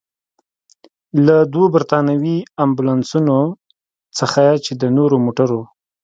له دوو برتانوي امبولانسونو څخه، چې د نورو موټرو.